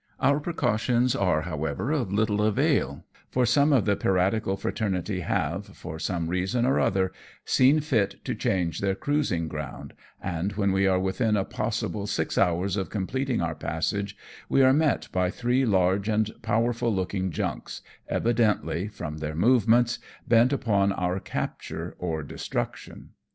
Our precautions are, however, of little avail, for some of the piratical fraternity have, for some reason or other, seen fit to change their cruising ground, and when we are within a possible six hours of completing our passage, we are met by three large and powerful looking junks, evidently, from their movements, bent upon our capture or destruction.